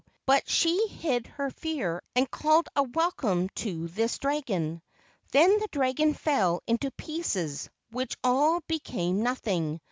But she hid her fear and called a welcome to this dragon. Then the dragon fell into pieces, which all became nothing.